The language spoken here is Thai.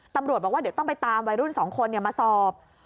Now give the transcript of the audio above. ตำรวจบอกว่าเดี๋ยวต้องไปตามวัยรุ่น๒คนมาสอบ